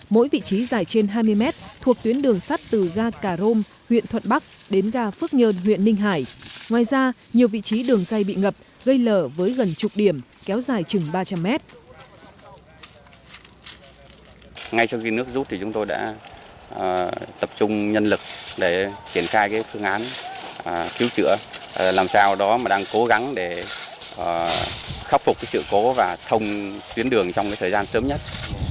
mỗi vị trí dài trên hai mươi mét thuộc tuyến đường sắt từ ga cà rôm huyện thuận bắc đến ga phước nhơn huyện ninh hải ngoài ra nhiều vị trí đường dài bị ngập gây lở với gần chục điểm kéo dài chừng ba trăm linh mét